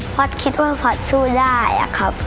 พอตคิดว่าพอสู้ได้อะครับ